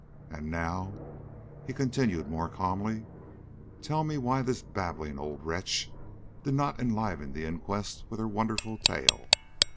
And now," he continued, more calmly, "tell me why this babbling old wretch did not enliven the inquest with her wonderful tale.